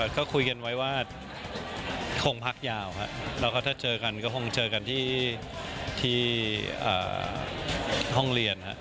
ก็คุยกันไว้ว่าคงพักยาวครับแล้วก็ถ้าเจอกันก็คงเจอกันที่ห้องเรียนครับ